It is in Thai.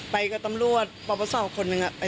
ไปกับตำรวจปป๋าสรรค์คนหนึ่ง